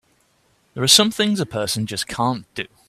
There are some things a person just can't do!